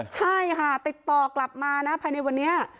ใช่ค่ะติดต่อกลับมานะภายในวันนี้